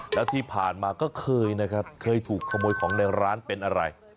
แล้วที่ผ่านมาก็เคยนะครับเคยถูกขโมยของในร้านเป็นอะไร